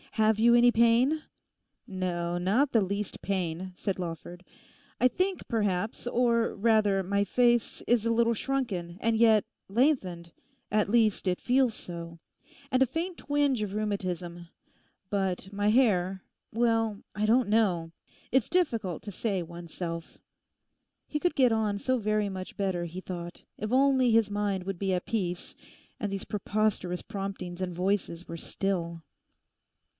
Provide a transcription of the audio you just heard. Have you any pain?' 'No, not the least pain,' said Lawford; 'I think, perhaps, or rather my face is a little shrunken—and yet lengthened; at least it feels so; and a faint twinge of rheumatism. But my hair—well, I don't know; it's difficult to say one's self.' He could get on so very much better, he thought, if only his mind would be at peace and these preposterous promptings and voices were still.